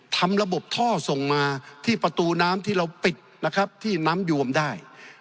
ทำระบบท่อส่งมาที่ประตูน้ำที่เราปิดนะครับที่น้ำยวมได้